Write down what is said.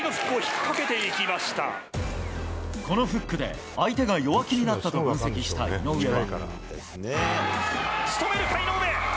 このフックで相手が弱気になったと分析した井上は。